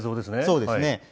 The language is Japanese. そうですね。